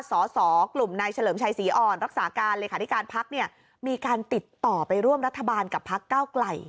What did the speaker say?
สสกลุ่มนายเฉลิมชัยศรีอ่อนรักษาการเลขาธิการพักเนี่ยมีการติดต่อไปร่วมรัฐบาลกับพักเก้าไกล